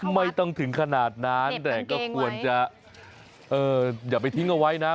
ไม่ต้องถึงขนาดนั้นแต่ก็ควรจะอย่าไปทิ้งเอาไว้นะ